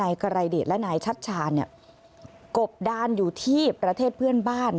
ไกรเดชและนายชัชชาเนี่ยกบดานอยู่ที่ประเทศเพื่อนบ้าน